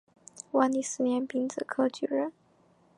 万历四年丙子科举人。